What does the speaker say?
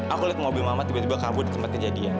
aku lihat mobil mamat tiba tiba kabut di tempat kejadian